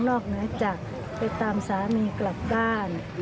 นอกนั้นจากไปตามสามีกลับบ้าน